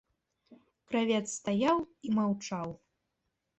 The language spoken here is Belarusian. Кравец стаяў і маўчаў.